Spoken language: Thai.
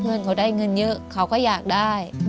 เงินเขาได้เงินเยอะเขาก็อยากได้